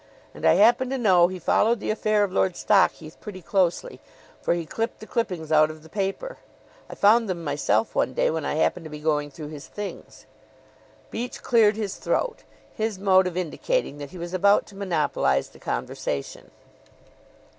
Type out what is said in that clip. And I happen to know he followed the affair of Lord Stockheath pretty closely, for he clipped the clippings out of the paper. I found them myself one day when I happened to be going through his things." Beach cleared his throat his mode of indicating that he was about to monopolize the conversation.